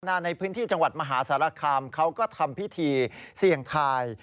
ในพื้นที่จังหวัดมหาสารคามเขาก็ทำพิธีเสี่ยงทาย